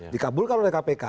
dikabulkan oleh kpk